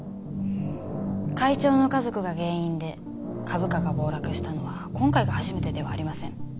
会長の家族が原因で株価が暴落したのは今回が初めてではありません。